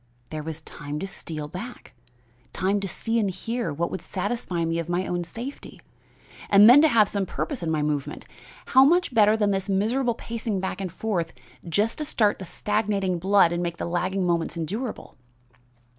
There was time to steal back, time to see and hear what would satisfy me of my own safety; and then to have some purpose in my movement! How much better than this miserable pacing back and forth just to start the stagnating blood and make the lagging moments endurable!